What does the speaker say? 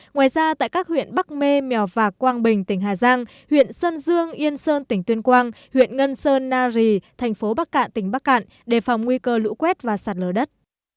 ngoài ra tại các huyện bắc mê mèo vạc quang bình tỉnh hà giang huyện sơn dương yên sơn tỉnh tuyên quang huyện ngân sơn na rì thành phố bắc cạn tỉnh bắc cạn đề phòng nguy cơ lũ quét và sạt lở đất